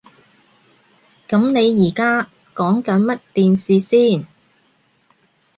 噉你而家講緊乜電視先？